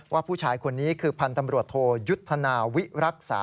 ว่าผู้ชายคนนี้คือพันธ์ตำรวจโทยุทธนาวิรักษา